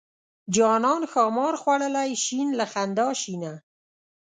جانان ښامار خوړلی شین له خندا شینه.